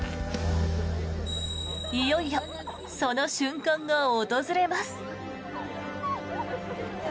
いよいよ、その瞬間が訪れます。